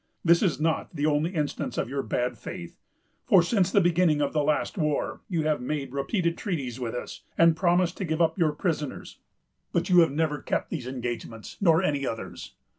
This is not the only instance of your bad faith; for, since the beginning of the last war, you have made repeated treaties with us, and promised to give up your prisoners; but you have never kept these engagements, nor any others.